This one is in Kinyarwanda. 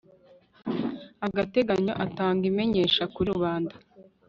agateganyo atanga imenyesha kuri rubanda